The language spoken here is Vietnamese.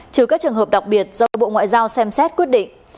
trừ các trường hợp đặc biệt do bộ ngoại giao xem xét quyết định